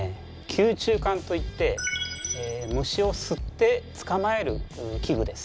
吸虫管といって虫を吸って捕まえる器具です。